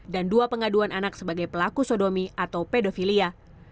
dan dua pengaduan anak sebagai pelaku sodomi atau pedofilia